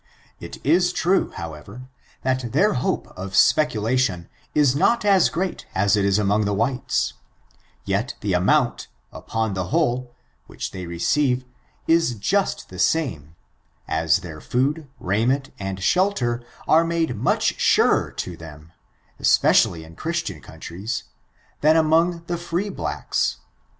It is true, however, that their hope of speculation is not as great as it is among the whites ; yet the amount, up on the whole, which they receive, is just the same, as their food, raiment and shelter are made much surer to them, especially in Christian countries, than among the free blacks.